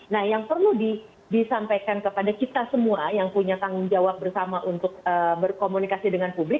nah yang perlu disampaikan kepada kita semua yang punya tanggung jawab bersama untuk berkomunikasi dengan publik